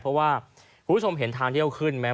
เพราะว่าผู้ชมเห็นทางที่เขาขึ้นมั้ย